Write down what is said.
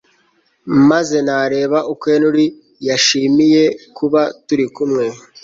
maze nareba uko Henry yashimiye kuba turi kumwe